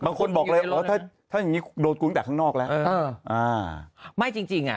บางคนบอกเลยอ๋อถ้าถ้าอย่างงี้โดนกุ้งแต่ข้างนอกแล้วเอออ่าไม่จริงจริงอ่ะ